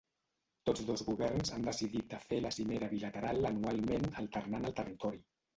Tots dos governs han decidit de fer la cimera bilateral anualment alternant el territori.